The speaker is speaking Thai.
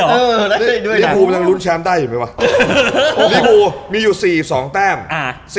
เออและด้วยนี่คุณต้องรุ่นแชมป์ได้เห็นไหมปะนี่คุณมีอยู่๔๒แต้มอ่า